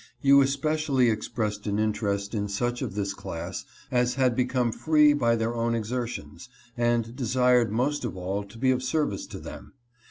You especially expressed an interest in such of this class as had become free by their own exertions, and desired most of all to be of service to them.